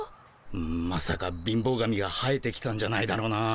まさか貧乏神が生えてきたんじゃないだろうな。